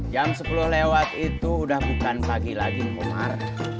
jam sepuluh lewat itu udah bukan pagi lagi memar